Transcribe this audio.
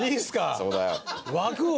そうだよ